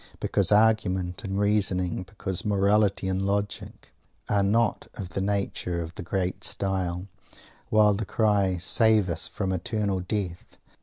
Because arguments and reasoning; because morality and logic, are not of the nature of the "great style," while the cry "save us from eternal death!"